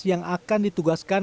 yang akan ditugaskan